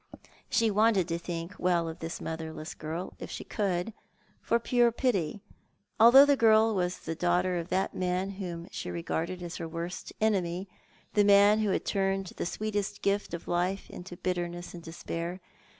She wanted to think well of this motherless girl if she could, for pure pity, although the girl was the daughter of that man whom she regarded as her worst enemy, the man who had turned tlie sweetest gift of life to bitterness and despair.